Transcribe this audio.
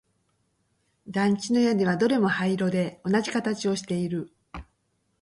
団地の屋根はどれも灰色で同じ形をしている